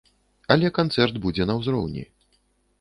Але канцэрт будзе на ўзроўні.